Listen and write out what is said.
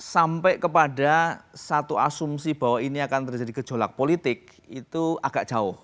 sampai kepada satu asumsi bahwa ini akan terjadi gejolak politik itu agak jauh